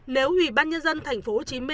nếu ủy ban nhân dân có thể tìm ra tài sản này